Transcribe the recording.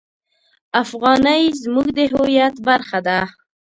افغانۍ زموږ د هویت برخه ده.